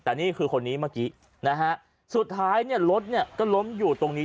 แต่นี่คือคนนี้เมื่อกี้นะฮะสุดท้ายเนี่ยรถเนี่ยก็ล้มอยู่ตรงนี้